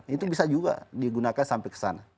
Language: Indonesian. itu bisa juga digunakan sampai kesana